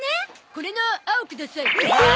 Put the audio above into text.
これの青ください。